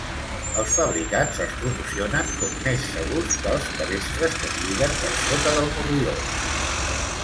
Els fabricants els promocionen com més segurs que els cabestres que es lliguen per sota del morrió.